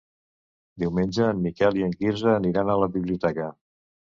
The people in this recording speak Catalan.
Diumenge en Miquel i en Quirze aniran a la biblioteca.